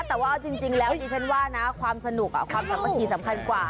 แต่ว่าเอาจริงแล้วดิฉันว่านะความสนุกความสามัคคีสำคัญกว่า